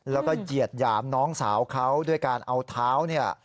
แล้วก็เหยียดหยามน้องสาวเขาด้วยการเอาเท้าเนี่ย